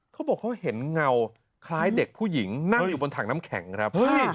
เขาบอกเขาเห็นเงาคล้ายเด็กผู้หญิงนั่งอยู่บนถังน้ำแข็งครับ